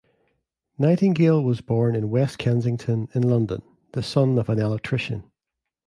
Nightingale was born in West Kensington, in London, the son of an electrician.